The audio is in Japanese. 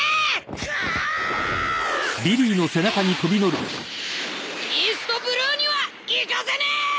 クオオオオッイーストブルーには行かせねえ！